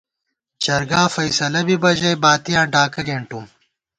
جرگا فیصلہ بِبہ ژَئی، باتِیاں ڈاکہ گېنٹُوم